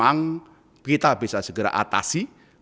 dan juga agar kita bisa menyelamatkan nyawa manusia